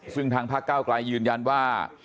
ซึ่งทางพระเก้ากลายยืนยันว่า